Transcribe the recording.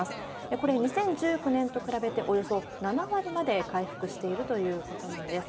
これ、２０１９年と比べて、およそ７割まで回復しているということなんです。